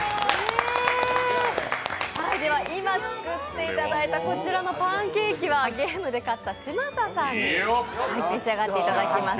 では、今作っていただいたこちらのパンケーキは、ゲームで勝った嶋佐さんに召し上がっていただきます。